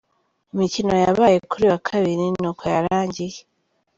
Imikino yabaye kuri uyu wa Kabiri n’uko yarangiye:.